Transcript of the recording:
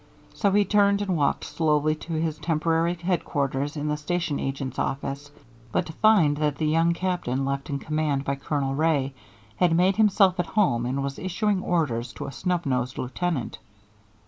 So he turned and walked slowly to his temporary headquarters in the station agent's office, but to find that the young captain left in command by Colonel Wray had made himself at home and was issuing orders to a snub nosed lieutenant.